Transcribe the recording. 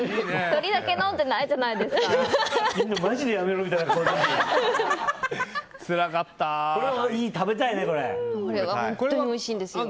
１人だけ飲んでないじゃないですか。